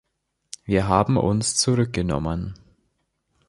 Wir haben uns zurückgenommen.